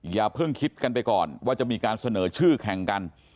อย่าเพิ่งคิดกันไปก่อนว่าจะมีการเสนอชื่อแข่งกัน